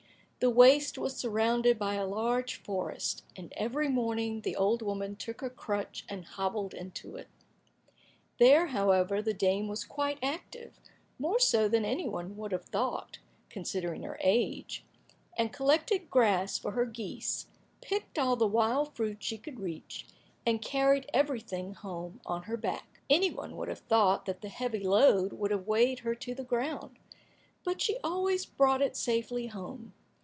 The waste was surrounded by a large forest, and every morning the old woman took her crutch and hobbled into it. There, however, the dame was quite active, more so than any one would have thought, considering her age, and collected grass for her geese, picked all the wild fruit she could reach, and carried everything home on her back. Any one would have thought that the heavy load would have weighed her to the ground, but she always brought it safely home.